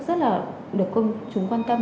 rất là được công chúng quan tâm